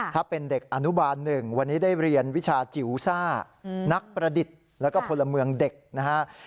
ถ้าเป็นเด็กอนุบาล๑วันนี้ได้เรียนวิชาจิ๋วซ่านักประดิษฐ์แล้วก็พลเมืองเด็กนะฮะ